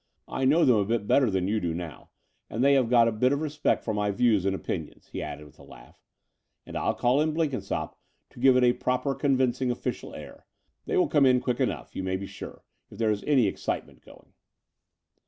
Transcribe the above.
I know them a bit better than you do now, and they have got a bit of a respect for my views and opinions," he added, with a laugh; "and I'll call in Blenkin sopp to give it a proper convincing official air. They will come in quick enough, you may be sure, if there is any excitement going."